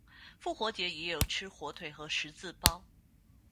复活节亦有吃火腿和十字包。